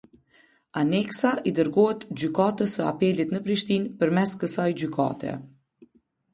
Ankesa i dërgohet Gjykatës se Apelit në Prishtinë përmes kësaj Gjykate.